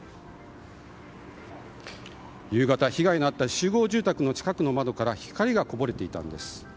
夕方、被害のあった集合住宅の近くの窓から光がこぼれていたんです。